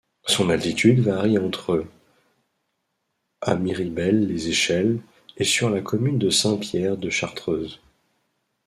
Son altitude varie entre à Miribel-les-Échelles et sur la commune de Saint-Pierre-de-Chartreuse.